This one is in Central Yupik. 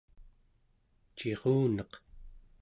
ciruneq